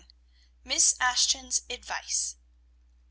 MISS ASHTON'S ADVICE.